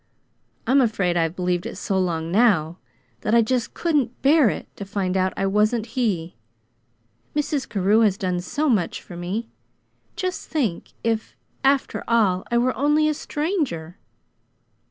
I'm afraid I've believed it so long now, that that I just couldn't bear it, to find out I wasn't he. Mrs. Carew has done so much for me; just think if, after all, I were only a stranger!"